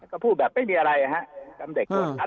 ก็พูดแบบไม่มีอะไรนะครับ